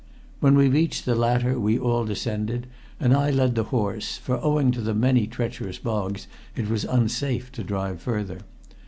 When we reached the latter we all descended, and I led the horse, for owing to the many treacherous bogs it was unsafe to drive further.